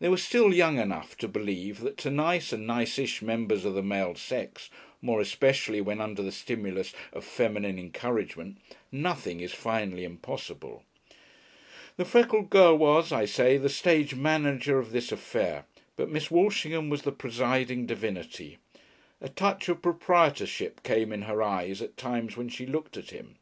They were still young enough to believe that to nice and niceish members of the male sex more especially when under the stimulus of feminine encouragement nothing is finally impossible. The freckled girl was, I say, the stage manager of this affair, but Miss Walshingham was the presiding divinity. A touch of proprietorship came in her eyes at times when she looked at him.